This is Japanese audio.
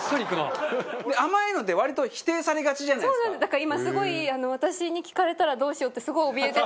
だから、今、すごい私に聞かれたらどうしようってすごいおびえて。